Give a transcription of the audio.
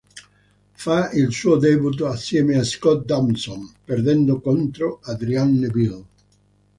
Fa il suo debutto assieme a Scott Dawson perdendo contro Adrian Neville.